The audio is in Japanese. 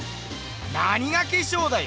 何が化粧だよ！